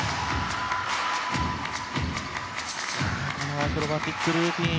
アクロバティックルーティン